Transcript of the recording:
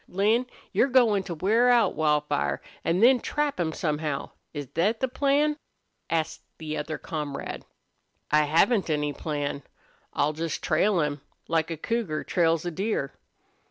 "Lin, you're goin' to wear out Wildfire, an' then trap him somehow is thet the plan?" asked the other comrade. "I haven't any plan. I'll just trail him, like a cougar trails a deer."